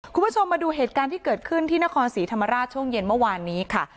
คุณผู้ชมมาดูเหตุการณ์ที่เกิดขึ้นที่นครศรีธรรมราชช่วงเย็นเมื่อวานนี้ค่ะ